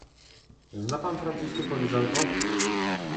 Zna pan francuskie powiedzonko